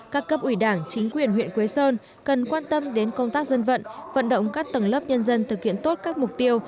các cấp ủy đảng chính quyền huyện quế sơn cần quan tâm đến công tác dân vận vận động các tầng lớp nhân dân thực hiện tốt các mục tiêu